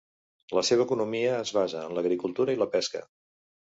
La seva economia es basa en l'agricultura i la pesca.